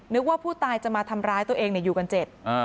นึกว่าผู้ตายจะมาทำร้ายตัวเองเนี้ยอยู่กันเจ็ดอ่า